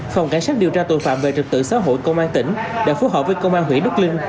phòng cảnh sát điều tra tội phạm về trực tự xã hội công an tỉnh đã phối hợp với công an huyện đức linh